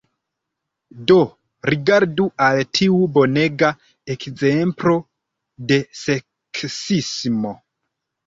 Do, rigardu al tiu bonega ekzemplo de seksismo